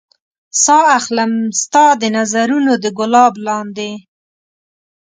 ساه اخلم ستا د نظرونو د ګلاب لاندې